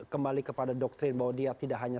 kembali kepada doktrin bahwa dia tidak hanya